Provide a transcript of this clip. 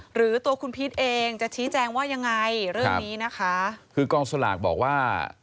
หรือตัวคุณพีชเองจะชี้แจงว่ายังไงเรื่องนี้นะคะคือกองสลากบอกว่า